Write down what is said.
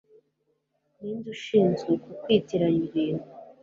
ninde ushinzwe uku kwitiranya ibintu